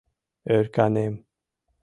— Ӧрканем...